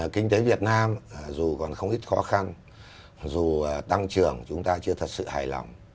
kinh tế việt nam dù còn không ít khó khăn dù tăng trưởng chúng ta chưa thật sự hài lòng